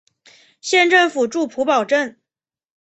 县政府驻普保镇。